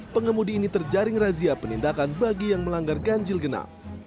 pengemudi ini terjaring razia penindakan bagi yang melanggar ganjil genap